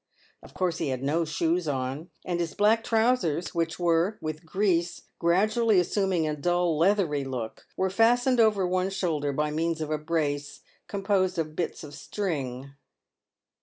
Of course he had no shoes on, and his black trousers, which were, with grease, gradually assuming a dull, leathery look, were fastened over one shoulder by means of a brace composed of bits of string.